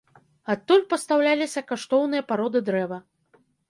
Адтуль пастаўляліся каштоўныя пароды дрэва.